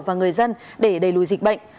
và người dân để đẩy lùi dịch bệnh